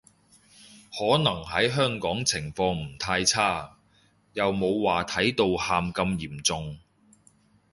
可能喺香港情況唔太差，又冇話睇到喊咁嚴重